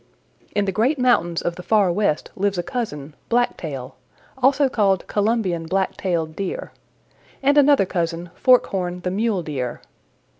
"In the great mountains of the Far West lives a cousin, Blacktail, also called Columbian Blacktailed Deer, and another cousin, Forkhorn the Mule Deer.